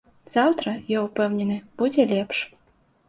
Заўтра, я ўпэўнены, будзе лепш.